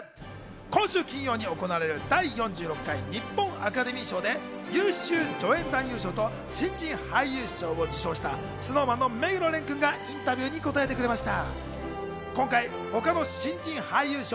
今週金曜に行われる、第４６回日本アカデミー賞で優秀助演男優賞と新人俳優賞を受賞したＳｎｏｗＭａｎの目黒蓮君がインタビューに答えてくれました。